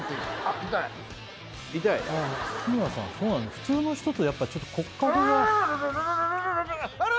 普通の人とやっぱちょっと骨格がううっ！